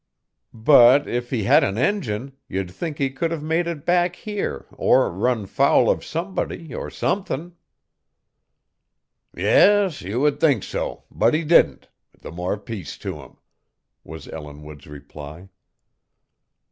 "But, if he had an engine, you'd think he could've made it back here or run foul of somebody or somethin'." "Yas, you would think so; but he didn't, the more peace to him," was Ellinwood's reply.